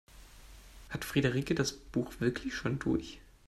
Hat Friederike das Buch wirklich schon durch?